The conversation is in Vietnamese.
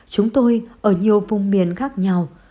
chúng tôi ở nhiều vùng miền khác nhau